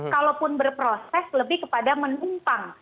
kalaupun berproses lebih kepada menumpang